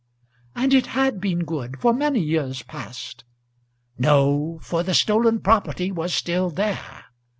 "And it had been good, for many years past." "No; for the stolen property was still there.